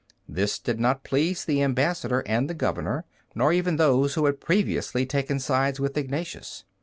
This did not please the ambassador and the governor, nor even those who had previously taken sides with Ignatius.